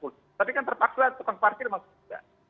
tapi kan terpaksa tukang parkir masuk tidak